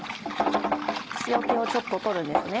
塩気をちょっと取るんですね。